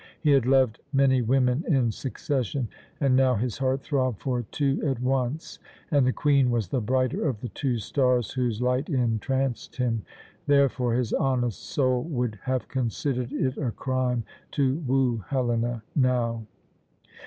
He had loved many women in succession, and now his heart throbbed for two at once, and the Queen was the brighter of the two stars whose light entranced him. Therefore his honest soul would have considered it a crime to woo Helena now.